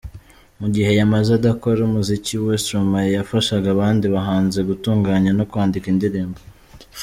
Mu gihe yamaze adakora umuziki we, Stromae yafashaga abandi bahanzi gutunganya no kwandika indirimbo.